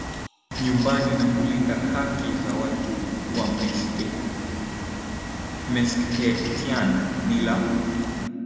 nyumbani na kulinda haki za watu wa Meskhetian ni la